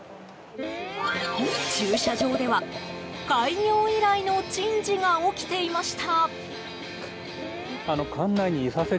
駐車場では、開業以来の珍事が起きていました。